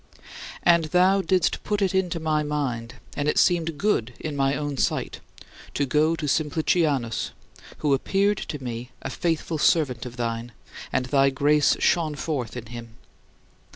And thou didst put it into my mind, and it seemed good in my own sight, to go to Simplicianus, who appeared to me a faithful servant of thine, and thy grace shone forth in him.